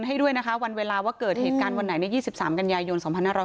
ให้ด้วยนะคะวันเวลาว่าเกิดเหตุการณ์วันไหนใน๒๓กันยายน๒๕๖๐